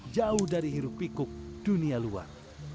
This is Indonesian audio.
jauh dari hirup pikuk dunia luar